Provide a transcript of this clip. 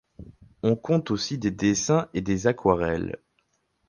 On compte aussi des dessins et des aquarelles.